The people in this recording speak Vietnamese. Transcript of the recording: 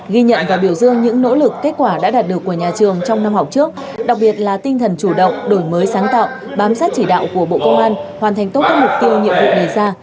ghi nhận và biểu dương những nỗ lực kết quả đã đạt được của nhà trường trong năm học trước đặc biệt là tinh thần chủ động đổi mới sáng tạo bám sát chỉ đạo của bộ công an hoàn thành tốt các mục tiêu nhiệm vụ đề ra